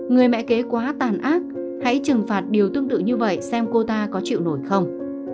người mẹ kế quá tàn ác hãy trừng phạt điều tương tự như vậy xem cô ta có chịu nổi không